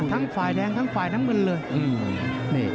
ทั้งฝ่ายแดงทั้งฝ่ายน้ำเงินเลย